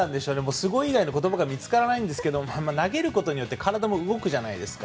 すごい以外の言葉が見つからないんですけれども投げることで体も動くじゃないですか。